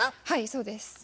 はいそうです。